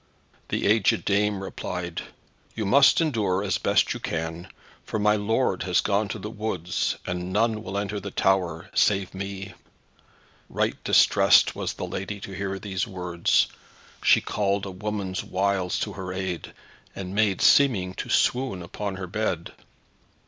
The agèd dame replied, "You must endure as best you may, for my lord has gone to the woods, and none will enter in the tower, save me." Right distressed was the lady to hear these words. She called a woman's wiles to her aid, and made seeming to swoon upon her bed.